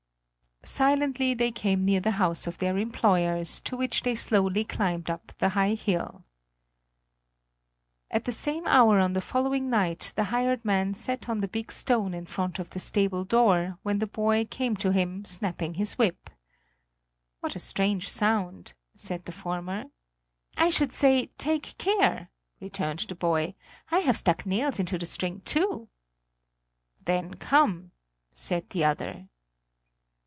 Silently they came near the house of their employers, to which they slowly climbed up the high hill. At the same hour on the following night the hired man sat on the big stone in front of the stable door, when the boy came to him, snapping his whip. "What a strange sound!" said the former. "I should say take care!" returned the boy; "I have stuck nails into the string, too." "Then come," said the other.